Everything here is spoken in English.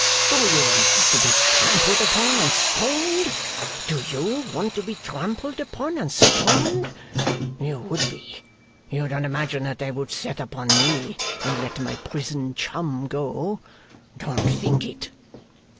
Do you want me to be trampled upon and stoned? Do you want to be trampled upon and stoned? You would be. You don't imagine that they would set upon me, and let my prison chum go? Don't think it!